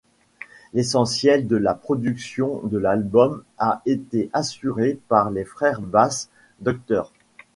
L'essentiel de la production de l'album a été assuré par les frères Bass, Dr.